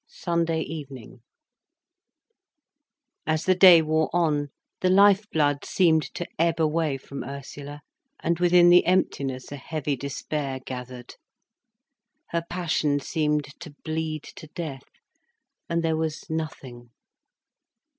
SUNDAY EVENING As the day wore on, the life blood seemed to ebb away from Ursula, and within the emptiness a heavy despair gathered. Her passion seemed to bleed to death, and there was nothing.